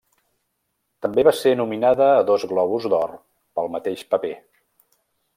També va ser nominada a dos Globus d'Or pel mateix paper.